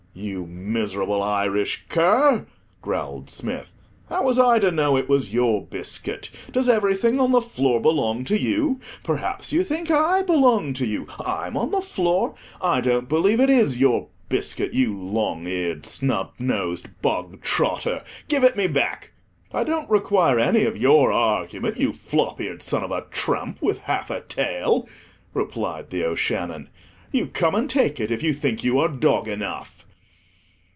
"You miserable Irish cur," growled Smith; "how was I to know it was your biscuit? Does everything on the floor belong to you? Perhaps you think I belong to you, I'm on the floor. I don't believe it is your biscuit, you long eared, snubbed nosed bog trotter; give it me back." "I don't require any of your argument, you flop eared son of a tramp with half a tail," replied The O'Shannon. "You come and take it, if you think you are dog enough."